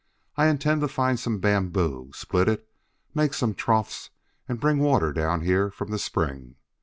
I intend to find some bamboo, split it, make some troughs, and bring water down here from the spring.